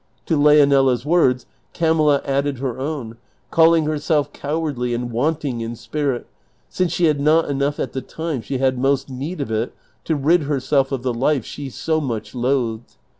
To Leonela's words Camilla added her own, calling hei'self cowardly and wanting in spirit, since she had not enough at the time she had most need of it to rid herself of the life she so much loathed.